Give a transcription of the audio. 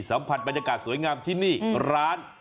สัมผัสแบบสวยงามที่นี่ร้าน